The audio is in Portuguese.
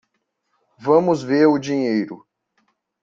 Vamos ver o dinheiro.